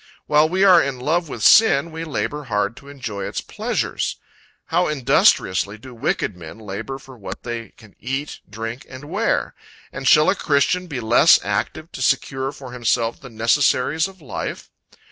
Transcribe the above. While we are in love with sin, we labor hard to enjoy its pleasures. How industriously do wicked men labor for what they can eat, drink and wear. And shall a christian be less active to secure for himself the necessaries of life?